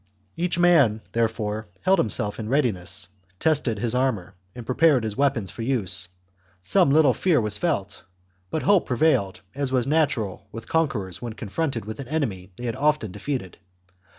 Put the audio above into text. Each man, therefore, held himself in readiness, tested his armour, and prepared his weapons for use ; some little fear was felt, but hope prevailed, as was natural with conquerors when confronted with an enemy they had often de feated.